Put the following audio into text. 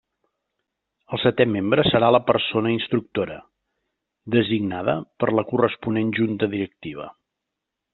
El setè membre serà la persona instructora, designada per la corresponent Junta Directiva.